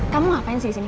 kamu ngapain sih disini